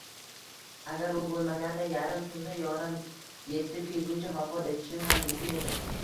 Agar u bo`lmaganda yarim tunda yordam etib kelguncha vafot etishim ham mumkin edi